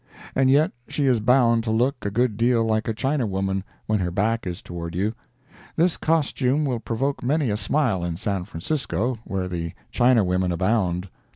And yet she is bound to look a good deal like a Chinawoman when her back is toward you. This costume will provoke many a smile in San Francisco, where the Chinawomen abound.